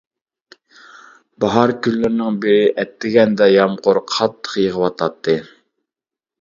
باھار كۈنلىرىنىڭ بىرى، ئەتىگەندە يامغۇر قاتتىق يېغىۋاتاتتى.